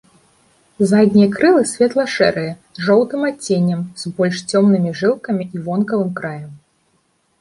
Заднія крылы светла-шэрыя, з жоўтым адценнем, з больш цёмнымі жылкамі і вонкавым краем.